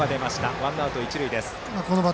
ワンアウト、一塁。